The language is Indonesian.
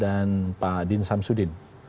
dan pak din samsudin